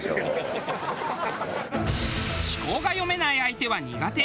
思考が読めない相手は苦手。